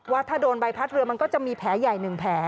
ว่าถ้าโดนใบพัดเรือมันก็จะมีแผลใหญ่๑แผล